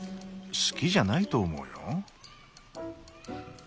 好きじゃないと思うよ。